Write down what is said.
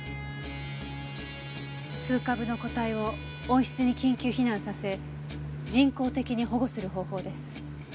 数株の個体を温室に緊急避難させ人工的に保護する方法です。